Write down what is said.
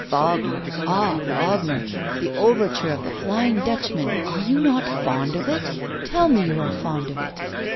Wagner! ah, Wagner! the overture of the "Flying Dutchman," are you not fond of it? tell me you are fond of it!